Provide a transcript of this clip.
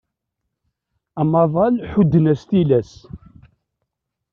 Amaḍal ḥudden-as tilas.